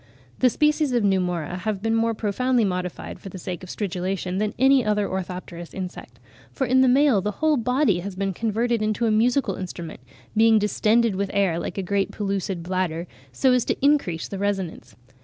The species of Pneumora have been more profoundly modified for the sake of stridulation than any other orthopterous insect; for in the male the whole body has been converted into a musical instrument, being distended with air, like a great pellucid bladder, so as to increase the resonance.